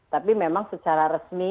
tapi memang secara resmi